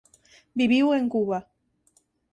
Viviu en Cuba.